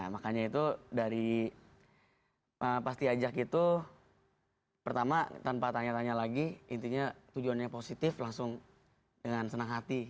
makanya itu dari pas diajak itu pertama tanpa tanya tanya lagi intinya tujuannya positif langsung dengan senang hati